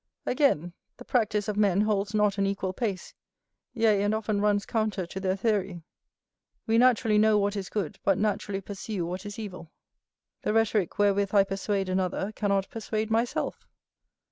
Again, the practice of men holds not an equal pace, yea and often runs counter to their theory; we naturally know what is good, but naturally pursue what is evil: the rhetorick wherewith I persuade another cannot persuade myself.